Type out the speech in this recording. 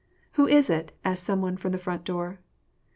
" Who is it ?" asked some one from the front door.